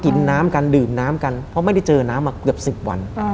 กินน้ำกันดื่มน้ำกันเพราะไม่ได้เจอน้ำมาเกือบ๑๐วัน